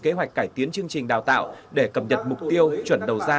kế hoạch cải tiến chương trình đào tạo để cập nhật mục tiêu chuẩn đầu ra